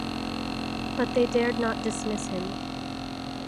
But they dared not dismiss him.